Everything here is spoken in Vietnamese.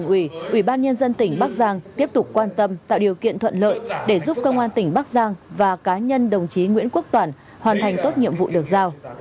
ủy ban nhân dân tỉnh bắc giang tiếp tục quan tâm tạo điều kiện thuận lợi để giúp công an tỉnh bắc giang và cá nhân đồng chí nguyễn quốc toản hoàn thành tốt nhiệm vụ được giao